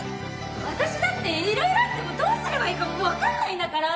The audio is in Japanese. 私だって色々あってどうすればいいか分かんないんだから